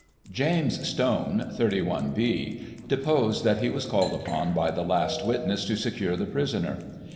James Stone, 31 B, deposed that he was called upon by the last witness to secture.the prisoner.